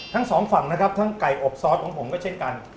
ทั้งสองฝั่งนะครับทั้งไก่อบซอสของผมก็เช่นกัน